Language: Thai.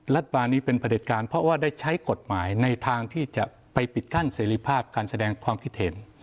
ป่านี้เป็นผลิตการเพราะว่าได้ใช้กฎหมายในทางที่จะไปปิดกั้นเสรีภาพการแสดงความคิดเห็น